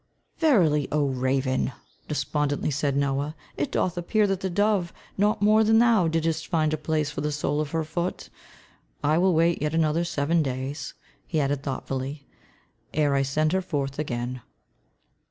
"Verily, oh, raven!" despondently said Noah, "it doth appear that the dove, not more than thou, didst find a place for the sole of her foot. I will wait yet another seven days," he added thoughtfully, "ere I send her forth again."